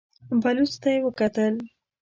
بلوڅ ته يې وکتل.